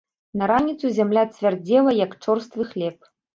На раніцу зямля цвярдзела, як чорствы хлеб.